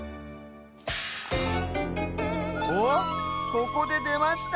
おっここででました。